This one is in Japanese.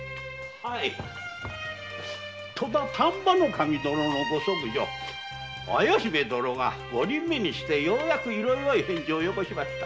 はい戸田丹波守の御息女綾姫殿が五人目にしてようやく色よい返事をよこしました。